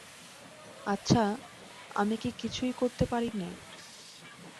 আচ্ছা, আমি কি কিছুই করতে পারি নে?